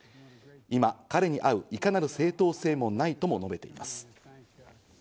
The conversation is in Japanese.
今、彼に会ういかなる正当性もないとも述べています。